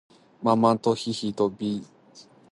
マントヒヒとチンパンジー